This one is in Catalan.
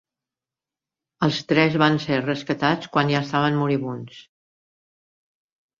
Els tres van ser rescatats quan ja estaven moribunds.